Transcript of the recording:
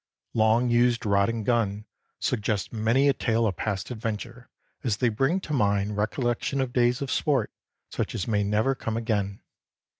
Long used rod and gun suggest many a tale of past adventure as they bring to mind recollections of days of sport such as may never come again.